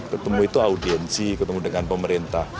ketemu itu audiensi ketemu dengan pemerintah